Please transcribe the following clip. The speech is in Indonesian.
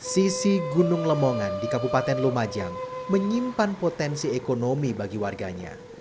sisi gunung lemongan di kabupaten lumajang menyimpan potensi ekonomi bagi warganya